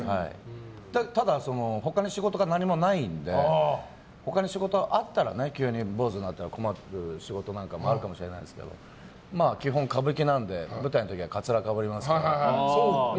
ただ、他に仕事が何もないので他の仕事があったら急に坊主になったら困るっていう仕事があるかもしれないですけど基本、歌舞伎なので舞台の時はかつらをかぶりますから。